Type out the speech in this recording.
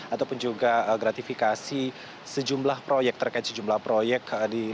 ataupun juga gratifikasi sejumlah proyek terkait sejumlah proyek